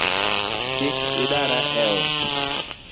Kik idara eot